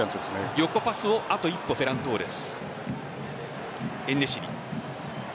横パスをあと一歩フェラントーレス。